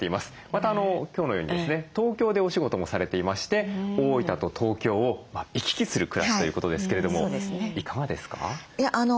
また今日のようにですね東京でお仕事もされていまして大分と東京を行き来する暮らしということですけれどもいかがですか？